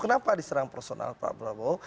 kenapa diserang personal pak prabowo